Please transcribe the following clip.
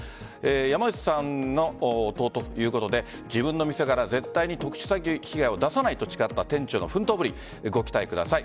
山内さんの弟ということで自分の店から絶対に特殊詐欺被害を出さないと誓った店長の奮闘ぶりご期待ください。